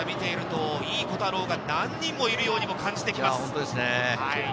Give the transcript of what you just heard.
井伊虎太郎が何人もいるようにも感じてきます。